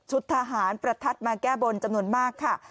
ทหารประทัดมาแก้บนจำนวนมากค่ะ